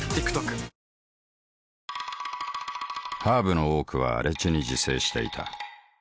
ハーブの多くは荒地に自生していた。